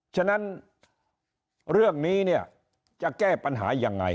ฉะนั้นเรื่องนี้เนี่ยจะแก้ปัญหายังไง